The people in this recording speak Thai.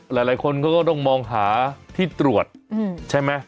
หลายคนเขาก็ต้องมองหาที่ตรวจใช่ไหม